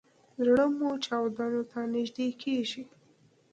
زړه مو چاودون ته نږدې کیږي